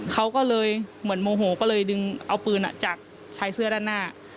เขาก็เลยเหมือนโมโหก็เลยดึงเอาปืนจากชายเสื้อด้านหน้า